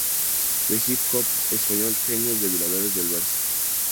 De hip hop español, "Genios" de Violadores del Verso.